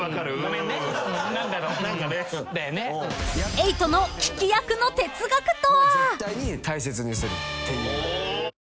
［瑛人の聞き役の哲学とは？］